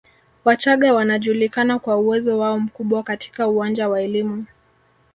Wachaga wanajulikana kwa uwezo wao mkubwa katika uwanja wa elimu